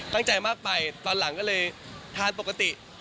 ตั้งใจมากไปตอนหลังก็เลยทานปกติ